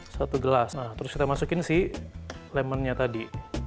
satu gelas nah terus kita masukin si lemonnya tadi